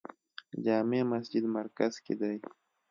جامع مسجد مرکز کې دی